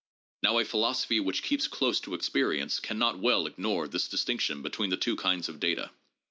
Now a philosophy which keeps close to experience can not well ignore this distinction between the two kinds of data.